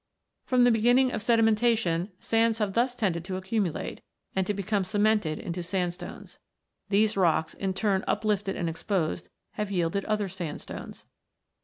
From the beginning of sedimentation, sands have thus tended to accumulate, and to become cemented into sandstones. These rocks, in turn uplifted and exposed, have yielded other sandstones.